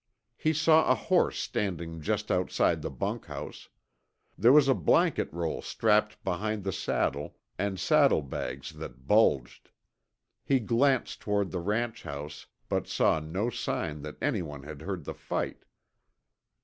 He saw a horse standing just outside the bunkhouse. There was a blanket roll strapped behind the saddle, and saddlebags that bulged. He glanced toward the ranch house, but saw no sign that anyone had heard the fight.